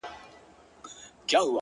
رمې دي د هغه وې اې شپنې د فريادي وې ـ